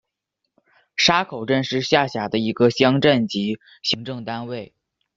沙口镇是下辖的一个乡镇级行政单位。